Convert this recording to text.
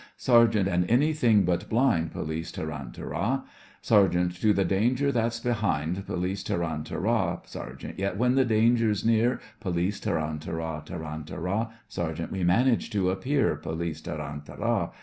SERGEANT: And anything but blind POLICE: Tarantara! tarantara! SERGEANT: To the danger that's behind, POLICE: Tarantara! SERGEANT: Yet, when the danger's near, POLICE: Tarantara! tarantara! SERGEANT: We manage to appear POLICE: Tarantara!